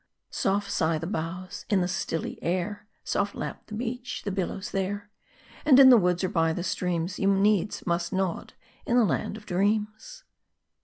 Soft sigh the boughs in the stilly air, Soft lap the beach the billows there ; And in the woods or by the streams, You needs must nod in the Land of Dreams.